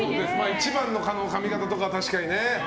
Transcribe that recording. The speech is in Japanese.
１番の方の髪形とか確かにね。